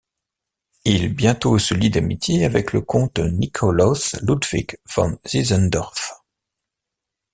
Il bientôt se lie d'amitié avec le comte Nikolaus Ludwig von Zinzendorf.